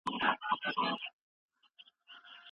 شکر ادا کول پکار دي.